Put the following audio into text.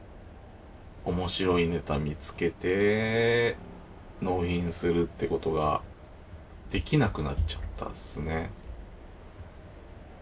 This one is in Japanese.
面白いネタ見つけて納品するってことができなくなっちゃったんですね。